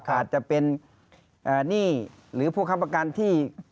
อาจจะเป็นหนี้หรือผู้ค้ำประกันที่